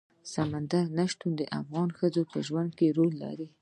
سمندر نه شتون د افغان ښځو په ژوند کې رول لري.